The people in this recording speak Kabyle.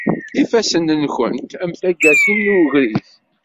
Ifassen-nwent am tgasasin n ugris.